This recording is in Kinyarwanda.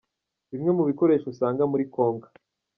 Bimwe mu bikoresho usanga muri Konka.